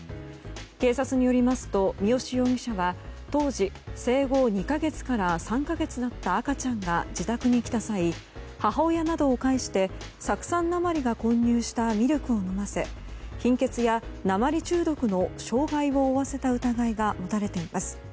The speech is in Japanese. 警察によりますと三好容疑者は当時生後２か月から３か月だった赤ちゃんが自宅に来た際母親などを介して酢酸鉛が混入したミルクを飲ませ貧血や鉛中毒の傷害を負わせた疑いが持たれています。